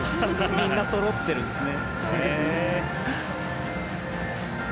みんな、そろってるんですね。